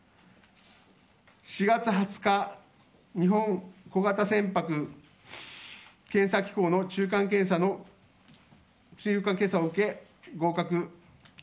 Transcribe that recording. ４月２０日日本小型船舶検査機構の中間検査を受け、合格。